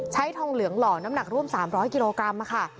ทองเหลืองหล่อน้ำหนักร่วม๓๐๐กิโลกรัมค่ะ